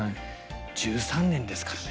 １３年ですからね。